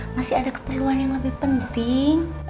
masih ada keperluan yang lebih penting